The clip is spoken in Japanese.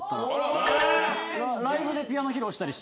ライブでピアノ披露したりしてます。